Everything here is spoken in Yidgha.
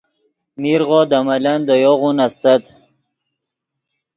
میرغو دے ملن دے یوغون استت